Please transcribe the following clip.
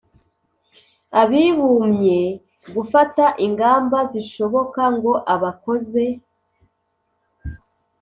abibumye gufata ingamba zishoboka ngo abakoze